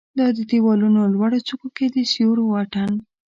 د د یوالونو لوړو څوکو کې د سیورو اټن